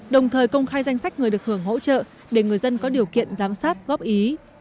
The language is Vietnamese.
đồng thời công khai danh sách người được hưởng hỗ trợ để người dân có điều kiện giám sát góp ý